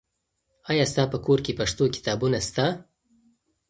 آیا ستا په کور کې پښتو کتابونه سته؟